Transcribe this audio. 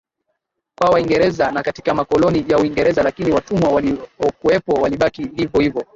kwa Waingereza na katika makoloni ya Uingereza lakini watumwa waliokuwepo walibaki hivohivo